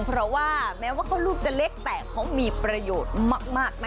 เพราะว่าแม้ว่าเขารูปจะเล็กแต่เขามีประโยชน์มากนะคะ